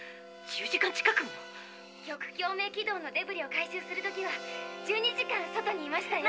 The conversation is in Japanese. １０時間近くも⁉極共鳴軌道のデブリを回収する時は１２時間外にいましたよ。